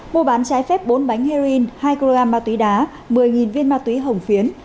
mua bán trái phép bốn bánh heroin hai kg ma túy đá một mươi viên ma túy hồng phiến